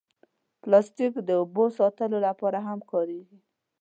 پلاستيک د اوبو ساتلو لپاره هم کارېږي.